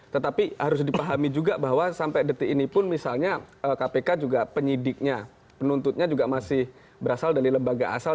tetapi harus dipahami juga bahwa sampai detik ini pun misalnya kpk juga penyidiknya penuntutnya juga masih berasal dari lembaga asal